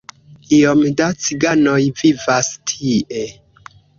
Iom da ciganoj vivas tie.